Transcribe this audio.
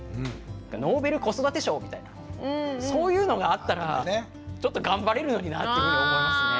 「ノーベル子育て賞」みたいなそういうのがあったらちょっと頑張れるのになっていうふうに思いますね。